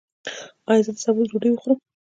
ایا زه د سبوس ډوډۍ وخورم؟